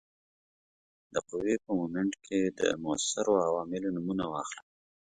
د قوې په مومنټ کې د موثرو عواملو نومونه واخلئ.